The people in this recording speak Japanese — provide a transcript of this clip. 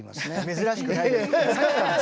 珍しくないです。